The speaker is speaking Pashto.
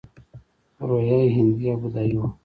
خو روحیه یې هندي او بودايي وه